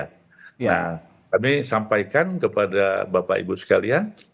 nah kami sampaikan kepada bapak ibu sekalian